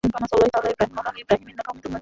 আমার দিকে তাকা, এ মিনিয়ন।